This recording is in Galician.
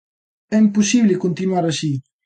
¡É imposible continuar así!